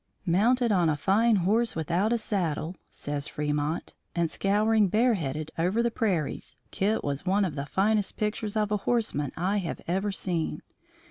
"Mounted on a fine horse without a saddle," says Fremont, "and scouring, bareheaded, over the prairies, Kit was one of the finest pictures of a horseman I have ever seen.